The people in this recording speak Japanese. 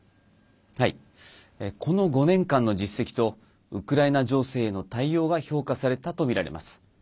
この５年間の実績とウクライナ情勢への対応が評価されたとみられます。